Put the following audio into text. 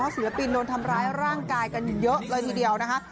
ศิลปินโดนทำร้ายร่างกายกันเยอะเลยทีเดียวนะคะ